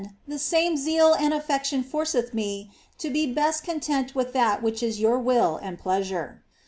^ Apiin tlie same zeal and affection forceth me to be best content with that rhich is your will and pleasure.